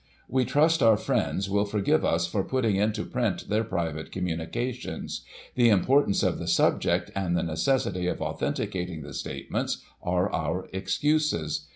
We trust our friends will forgive us for putting into print their private communications. The importance of the subject, and the necessity of authenticating the statements, are our excuses.